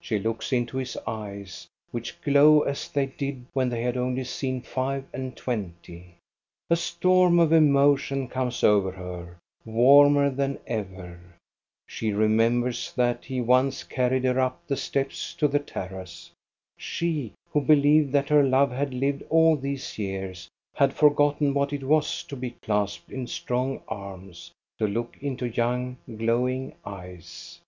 She looks into his eyes; which glow as they did when they had only seen five and twenty A storm of emotion comes over her — warmer than ever. She remembers that he once carried her up the steps to the terrace. She, who believed that her love had lived all these years, had forgotten what it was to be clasped in strong arms, to look into ung, glowing eyes.